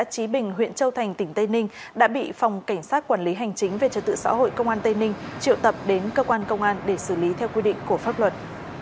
trí bình huyện châu thành tỉnh tây ninh đã bị phòng cảnh sát quản lý hành chính về trật tự xã hội công an tây ninh triệu tập đến cơ quan công an để xử lý theo quy định của pháp luật